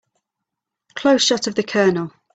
Close shot of the COLONEL.